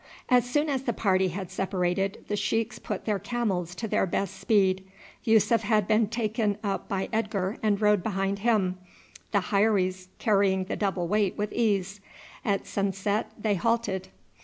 As soon as the party had separated the sheiks put their camels to their best speed. Yussuf had been taken up by Edgar and rode behind him, the heiries carrying the double weight with ease. At sunset they halted.